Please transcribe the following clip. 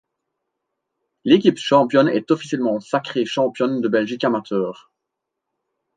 L'équipe championne est officiellement sacrée championne de Belgique Amateur.